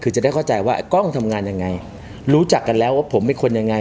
คือจะได้เข้าใจว่ากล้องทำงานยังไงรู้จักกันแล้วว่าผมเป็นคนยังไง